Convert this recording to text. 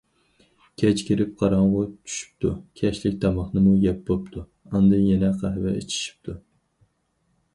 كەچ كىرىپ قاراڭغۇ چۈشۈپتۇ، كەچلىك تاماقنىمۇ يەپ بوپتۇ، ئاندىن يەنە قەھۋە ئىچىشىپتۇ.